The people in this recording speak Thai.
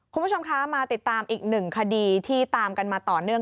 คุณผู้ชมคะมาติดตามอีกหนึ่งคดีที่ตามกันมาต่อเนื่อง